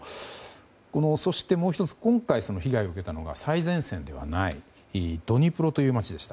そして、もう１つ今回被害を受けたのが最前線ではないドニプロという街でした。